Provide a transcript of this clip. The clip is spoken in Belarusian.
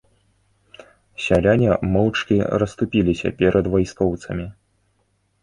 Сяляне моўчкі расступіліся перад вайскоўцамі.